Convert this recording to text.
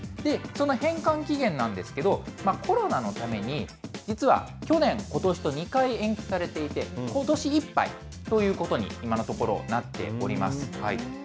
で、その返還期限なんですけど、コロナのために、実は去年、ことしと２回延期されていて、ことしいっぱいということに今のところなっています。